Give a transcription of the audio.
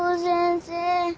先生。